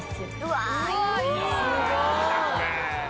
うわ！